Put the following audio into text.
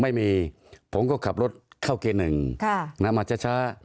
ไม่มีผมก็ขับรถเข้าเคหนึ่งมาช้า